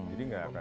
jadi nggak akan